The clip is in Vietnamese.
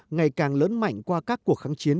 ngày càng lớn mạnh qua các cuộc kháng chiến